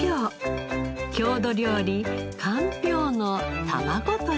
郷土料理かんぴょうの卵とじです。